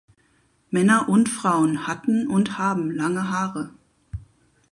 Männer und Frauen hatten und haben lange Haare.